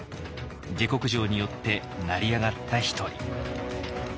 下剋上によって成り上がった一人。